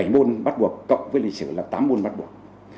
bảy môn bắt buộc cộng với lịch sử là tám môn bắt buộc